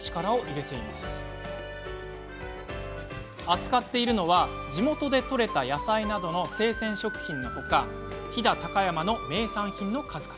扱っているのは、地元で取れた野菜などの生鮮食品のほか飛騨高山の名産品の数々。